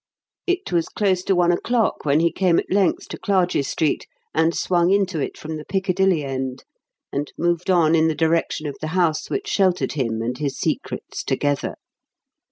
It was close to one o'clock when he came at length to Clarges Street and swung into it from the Piccadilly end, and moved on in the direction of the house which sheltered him and his secrets together.